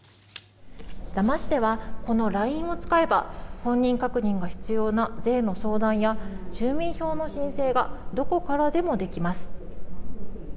座間市ではこのＬＩＮＥを使えば本人確認が必要な税の相談や住民票の申請がどこからでもできます。